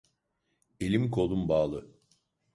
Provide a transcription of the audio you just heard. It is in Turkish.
Elim kolum bağlı.